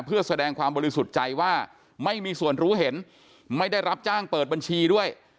เพื่อแสดงความบริสุทธิ์ใจว่าไม่มีส่วนรู้เห็นไม่ได้รับจ้างเปิดบัญชีด้วย